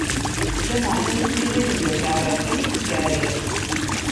Lameɛna, nutni ɣilen d akeɛrer kan i yettkeɛrir.